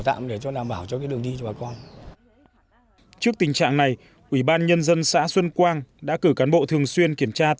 và đảm bảo cho đường đi cho bà con